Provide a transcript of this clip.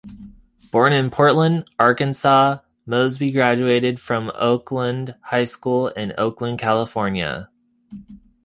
Born in Portland, Arkansas, Moseby graduated from Oakland High School in Oakland, California.